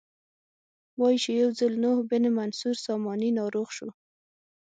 وایي چې یو ځل نوح بن منصور ساماني ناروغ شو.